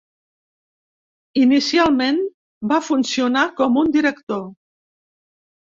Inicialment va funcionar com un director.